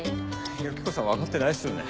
ユキコさん分かってないっすよね。